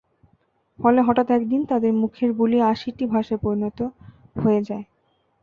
ফলে হঠাৎ একদিন তাদের মুখের বুলি আশিটি ভাষায় পরিণত হয়ে যায়।